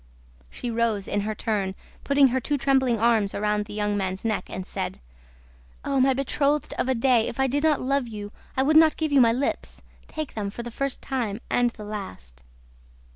She rose in her turn, put her two trembling arms round the young man's neck and said: "Oh, my betrothed of a day, if I did not love you, I would not give you my lips! Take them, for the first time and the last."